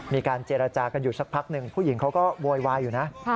มีการเจรจากันอยู่สักพักหนึ่งผู้หญิงเขาก็โวยวายอยู่นะ